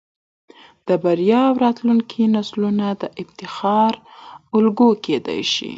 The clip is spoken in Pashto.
د بريا او راتلونکو نسلونه د افتخار الګو کېدى شي.